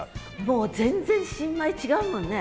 もう全然新米違うもんね。